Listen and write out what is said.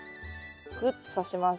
ぐっとさします。